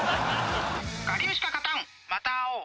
［『我流しか勝たん！』また会おう！］